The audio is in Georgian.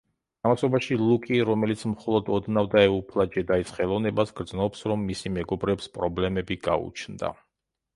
ამასობაში ლუკი, რომელიც მხოლოდ ოდნავ დაეუფლა ჯედაის ხელოვნებას, გრძნობს, რომ მისი მეგობრებს პრობლემები გაუჩნდა.